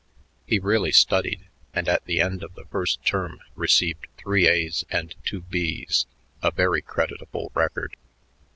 He really studied, and at the end of the first term received three A's and two B's, a very creditable record.